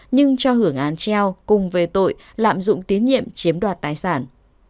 nhưng cho hưởng án treo cùng về tội lạm dụng tín nhiệm chiếm đoạt tài sản